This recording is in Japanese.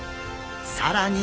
更に！